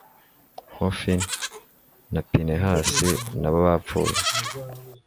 hofini na pinehasi, na bo bapfuye